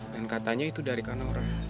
dan katanya itu dari kak nora